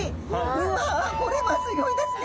うわこれはすギョいですね！